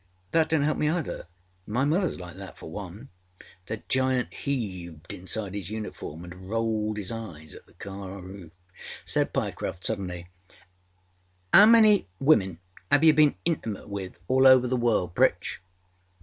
âThat donât help me either. My motherâs like that for one.â The giant heaved inside his uniform and rolled his eyes at the car roof. Said Pyecroft suddenly:â âHow many women have you been intimate with all over the world, Pritch?